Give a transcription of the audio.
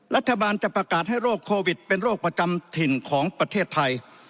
รัฐบาลจะประกาศให้โรคโควิดเป็นโรคประจำถิ่นของประเทศไทย